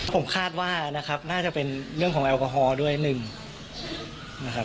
ผมคาดว่านะครับน่าจะเป็นเรื่องของแอลกอฮอล์ด้วยหนึ่งนะครับ